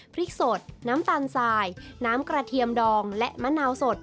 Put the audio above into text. พริกสดน้ำตาลสายน้ำกระเทียมดองและมะนาวสด